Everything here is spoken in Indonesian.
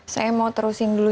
saya mau terusin dulu